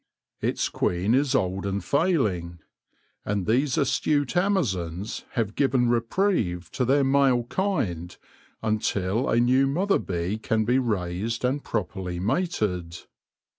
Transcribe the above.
Its queen is old and failing ; and these astute amazons have given reprieve to their male kind until a new mother bee can be raised and properly mated.